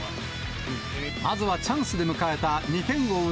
まずはチャンスで迎えた２点を追う